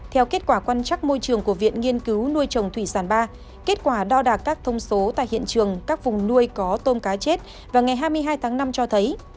theo kết quả quan trắc môi trường của viện nghiên cứu nuôi trồng thủy sản ba kết quả đo đạc các thông số tại hiện trường các vùng nuôi có tôm cá chết và ngày hai mươi hai tháng năm cho thấy